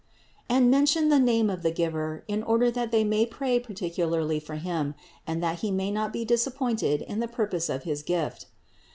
And mention the name of the giver, in order that they may pray partic ularly for him and that he may not be disappointed in the purpose of his gift.